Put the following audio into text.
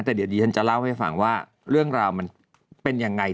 แต่เดี๋ยวดีฉันจะเล่าให้ฟังว่าเรื่องราวมันเป็นยังไง